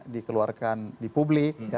dikeluarkan di publik